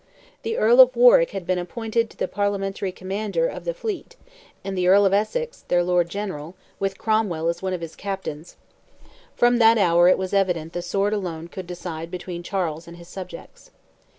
The Earl of Warwick had been appointed the Parliamentary commander of the fleet, and the Earl of Essex, their Lord General, with Cromwell as one of his captains. From that hour it was evident the sword alone could decide between Charles and his subjects.